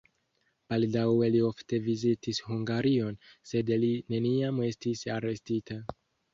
Baldaŭe li ofte vizitis Hungarion, sed li neniam estis arestita.